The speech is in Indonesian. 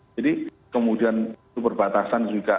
jadi kemudian itu berbatasan